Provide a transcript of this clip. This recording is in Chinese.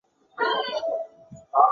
格雷西尼亚克小教堂人口变化图示